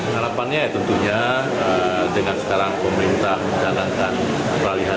harapannya ya tentunya dengan sekarang pemerintah menjalankan peralihan